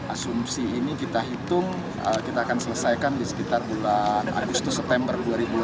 asumsi ini kita hitung kita akan selesaikan di sekitar bulan agustus september dua ribu delapan belas